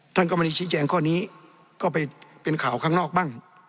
ท่านก็ไม่ได้ชี้แจงข้อนี้ก็ไปเป็นข่าวข้างนอกบ้าง